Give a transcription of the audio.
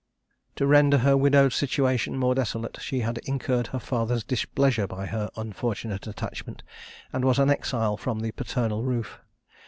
"To render her widowed situation more desolate, she had incurred her father's displeasure by her unfortunate attachment, and was an exile from the paternal roof.